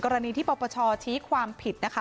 กรณีที่ปรปเถา์ชี้ความผิด